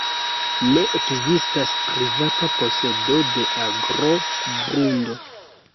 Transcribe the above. Ne ekzistas privata posedo de agro, grundo.